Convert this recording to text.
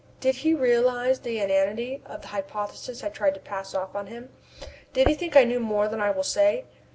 Does he realize the inanity of the hypothesis I try to pass off on him? Does he think I know more than I will say?